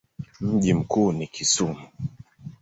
Mji mkuu ni Kisumu.